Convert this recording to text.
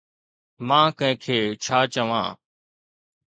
مان ڪنهن کي ڇا چوان؟